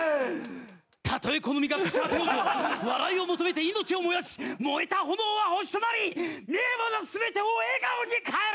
たとえこの身が朽ち果てようと笑いを求めて命を燃やし燃えた炎は星となり見る者全てを笑顔に変える！